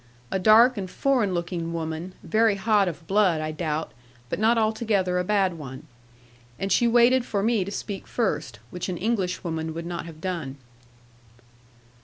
A dark and foreign looking woman, very hot of blood, I doubt, but not altogether a bad one. And she waited for me to speak first, which an Englishwoman would not have done.